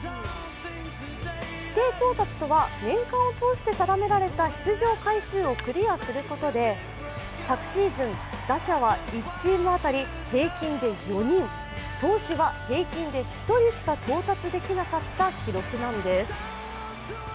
規定到達とは、年間を通して定められた出場回数をクリアすることで昨シーズン、打者は１チーム当たり平均で４人、投手は平均で１人しか到達できなかった記録なんです。